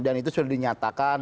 dan itu sudah dinyatakan